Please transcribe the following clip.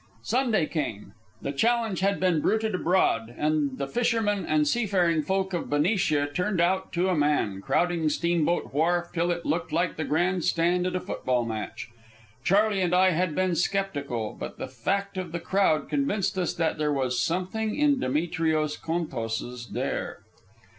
Sunday came. The challenge had been bruited abroad, and the fishermen and seafaring folk of Benicia turned out to a man, crowding Steamboat Wharf till it looked like the grand stand at a football match. Charley and I had been sceptical, but the fact of the crowd convinced us that there was something in Demetrios Contos's dare.